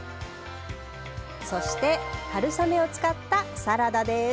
そして春雨を使ったサラダです。